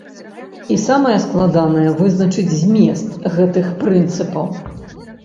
І самае складанае, вызначыць змест гэтых прынцыпаў.